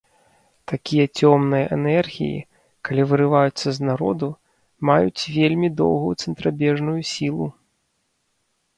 Такія цёмныя энергіі, калі вырываюцца з народу, маюць вельмі доўгую цэнтрабежную сілу.